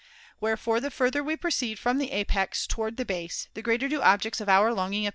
Wherefore, the further we proceed from the apex towards the base, the greater do objects of our longing T 290 THE CONVIVIO Ch.